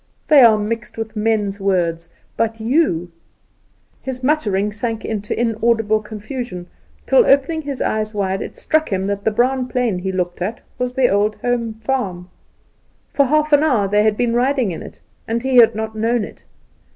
They are mixed with men's words; but you " His muttering sank into inaudible confusion, till, opening his eyes wide, it struck him that the brown plain he looked at was the old home farm. For half an hour they had been riding in it, and he had not known it.